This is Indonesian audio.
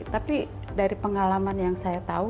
tapi dari pengalaman yang saya tahu